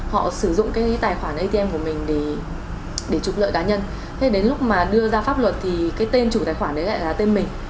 họ sử dụng cái tài khoản atm của mình để trục lợi đá nhân